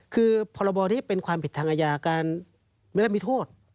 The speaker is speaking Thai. คือพรบนี้เป็นความผิดทางอาญาการไม่ได้มีโทษ